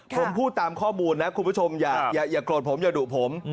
ผมพูดตามข้อมูลนะคุณผู้ชมอย่าโกรธผมอย่าดุผม